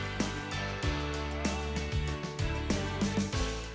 terima kasih dimas